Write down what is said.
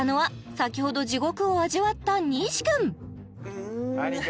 先ほど地獄を味わった西君うーん兄貴